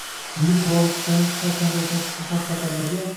Bugun Qurolli Kuchlarimiz har qanday tashqi xavf-xatarlarga